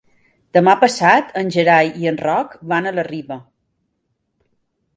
Demà passat en Gerai i en Roc van a la Riba.